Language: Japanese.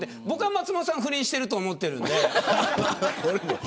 僕は、松本さん不倫してると思ってるんで。